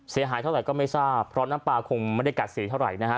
เสียหายเท่าไหร่ก็ไม่ทราบเพราะน้ำปลาคงไม่ได้กัดสีเท่าไหร่นะฮะ